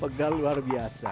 pegal luar biasa